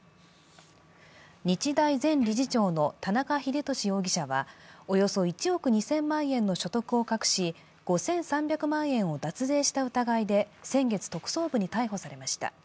日大前理事長の田中英寿容疑者はおよそ１億２０００万円の所得を隠し、５３００万円を脱税した疑いで先月、特捜部に逮捕されました。